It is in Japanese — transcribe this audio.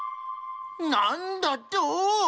なんだと！？